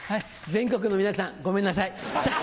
全国の皆さんごめんなさい。